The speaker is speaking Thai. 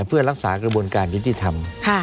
เพื่อรักษากระบวนการยุติธรรม